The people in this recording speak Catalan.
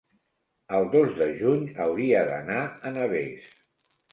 el dos de juny hauria d'anar a Navès.